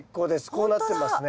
こうなってますね。